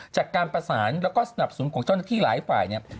จากการประสานแล้วก็สนับสนุนของเจ้าหน้าที่หลายฝ่ายเนี่ย